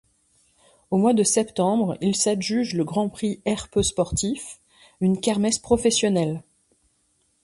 Au mois de septembre, il s'adjuge le Grand Prix Erpe Sportief, une kermesse professionnelle.